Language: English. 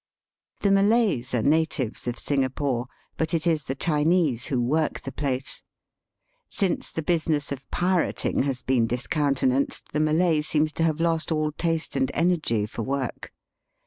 The Malays are natives of Singapore, but it is the Chinese who work the place. Since the business of pirating has beeli discounte nanced, the Malay seems to have lost all taste and energy for work.